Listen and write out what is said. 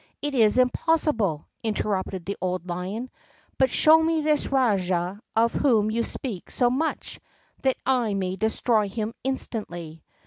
"It is impossible!" interrupted the old lion; "but show me this rajah of whom you speak so much, that I may destroy him instantly!"